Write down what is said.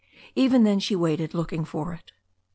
Even then she waited, looking for it.